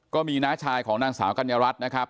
น้าชายของนางสาวกัญญารัฐนะครับ